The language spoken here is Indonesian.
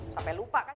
sampai lupa kan